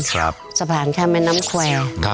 สะพานข้ามแม่น้ำแควร์